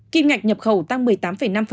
kim ngạch nhập khẩu tăng một mươi tám năm